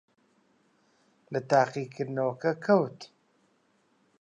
لە تاقیکردنەوەکە کەوت.